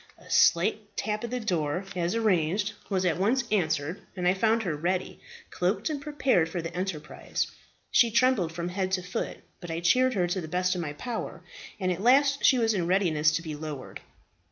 A slight tap at the door, as arranged, was at once answered, and I found her ready cloaked and prepared for the enterprise. She trembled from head to foot, but I cheered her to the best of my power, and at last she was in readiness to be lowered.